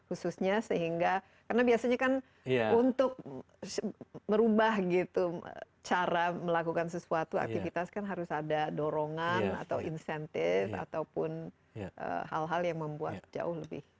khususnya sehingga karena biasanya kan untuk merubah gitu cara melakukan sesuatu aktivitas kan harus ada dorongan atau insentif ataupun hal hal yang membuat jauh lebih